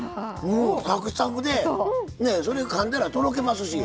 サクサクでねそれでかんだらとろけますし。